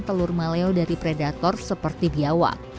telur maleo dari predator seperti biawak